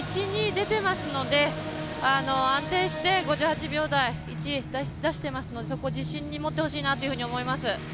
出てますので安定して５８秒台を出していますので自信を持ってほしいなというふうに思います。